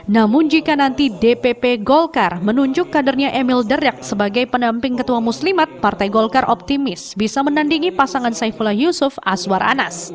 namun jika nanti dpp golkar menunjuk kadernya emil dardak sebagai pendamping ketua muslimat partai golkar optimis bisa menandingi pasangan saifullah yusuf aswar anas